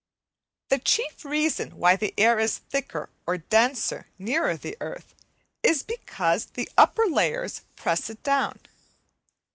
But the chief reason why the air is thicker or denser nearer the earth, is because the upper layers press it down.